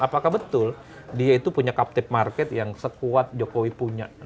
apakah betul dia itu punya captive market yang sekuat jokowi punya